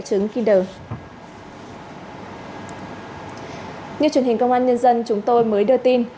như truyền hình công an nhân dân chúng tôi mới đưa tin